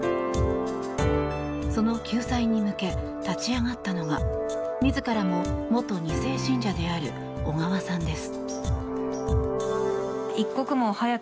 その救済に向け立ち上がったのが自らも元２世信者である小川さんです。